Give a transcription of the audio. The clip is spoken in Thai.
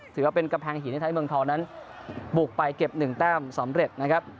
ถือว่าเป็นกำแพงหินที่ไทยเมืองทองนั้นบุกไปเก็บ๑แต้มสำเร็จนะครับ